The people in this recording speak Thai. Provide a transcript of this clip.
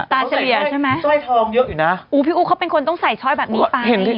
พี่อุ๊บพี่อุ๊บเขาเป็นคนต้องใส่ช่อยแบบนี้ไป